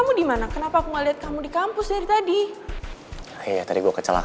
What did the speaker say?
gue baru inget kalau dia kan ada di rumah